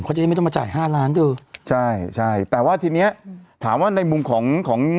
จะได้ไม่ต้องมาจ่ายห้าล้านเธอใช่ใช่แต่ว่าทีเนี้ยถามว่าในมุมของของ